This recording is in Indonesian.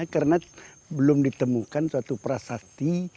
karena belum ditemukan suatu prasakti